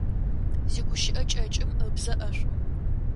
Зигущыӏэ кӏэкӏым ыбзэ ӏэшӏу.